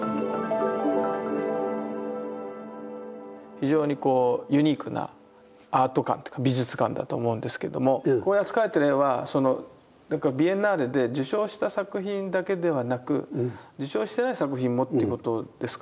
非常にこうユニークなアート館というか美術館だと思うんですけどもここで扱われてる絵はビエンナーレで受賞した作品だけではなく受賞してない作品もってことですか？